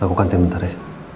aku kantin bentar ya